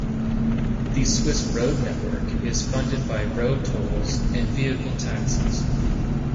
The Swiss road network is funded by road tolls and vehicle taxes.